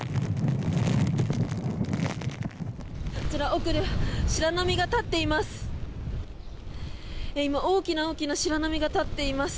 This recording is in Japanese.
奥では白波が立っています。